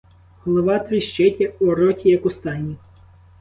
Голова тріщить, у роті, як у стайні.